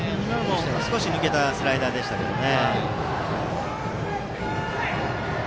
少し抜けたスライダーでしたね。